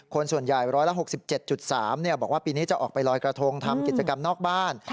คนส่วนใหญ่๑๖๗๓บอกว่าปีนี้จะออกไปลอยกระทงทำกิจกรรมนอกบ้าน